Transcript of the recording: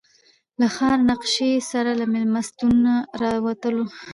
له ښار نقشې سره له مېلمستونه راووتلو.